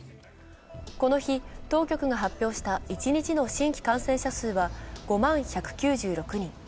この日、当局が発表した一日の新規感染者数は５万１９６人。